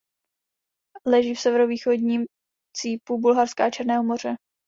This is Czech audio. Leží v severovýchodním cípu Bulharska u Černého moře.